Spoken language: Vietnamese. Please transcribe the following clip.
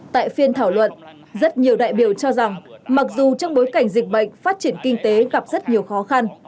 tại phiên thảo luận rất nhiều đại biểu cho rằng mặc dù trong bối cảnh dịch bệnh phát triển kinh tế gặp rất nhiều khó khăn